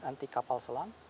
anti kapal selam